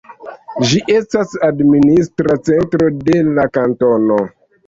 Ĝi estas administra centro de la kantono.